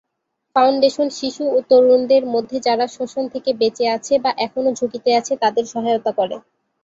Foundation শিশু ও তরুণদের মধ্যে যারা শোষণ থেকে বেঁচে আছে বা এখনও ঝুঁকিতে আছে তাদের সহায়তা করে।